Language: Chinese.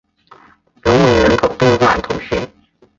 隆维人口变化图示